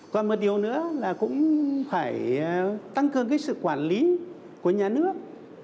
còn một điều nữa là cũng phải tăng cường cái sự quản lý của nhà nước